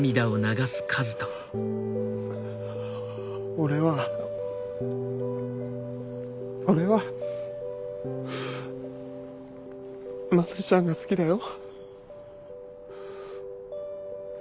俺は俺は茉莉ちゃんが好きだよ。